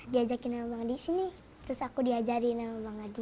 diajakin nama bang adi disini terus aku diajari nama bang adi